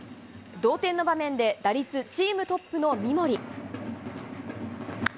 同点の場面で打率チームトップの三森。